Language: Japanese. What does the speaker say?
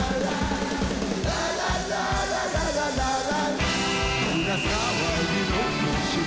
ラララララララララ！